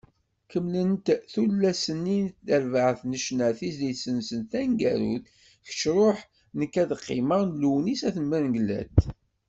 Kemmlent-d tullas-nni n terbaɛt n ccna tizlit-nsent taneggarut “Kečč ruḥ, nekk ad qqimeɣ” n Lewnis At Mengellat.